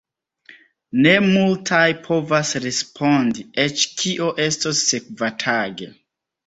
Ne multaj povas respondi eĉ kio estos sekvatage.